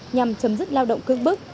nhằm chấm dứt lao động cước bức